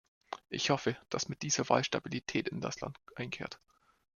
Ich hoffe, dass mit dieser Wahl Stabilität in das Land einkehrt.